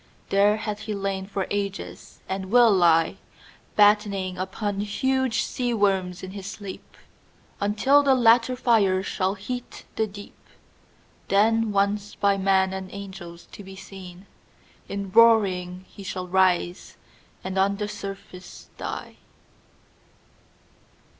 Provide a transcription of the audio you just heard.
There hath he lain for ages, and will lie Battening upon huge sea worms in his sleep, Until the latter fire shall heat the deep; Then once by man and angels to be seen, In roaring he shall rise and on the surface die.